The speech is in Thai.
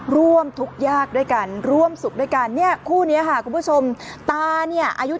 ร่วมทุกข์ยากด้วยกันร่วมสุขด้วยกัน